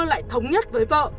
lại thống nhất với vợ